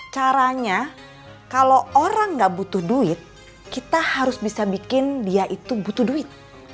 caranya kalau orang nggak butuh duit kita harus bisa bikin dia itu butuh duit